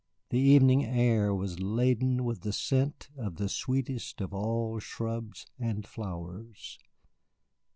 The evening air was laden with the scent of the sweetest of all shrubs and flowers.